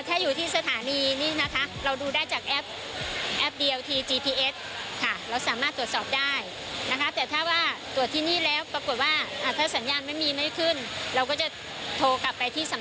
ถ้าอยู่ที่สถานีนี่นะคะ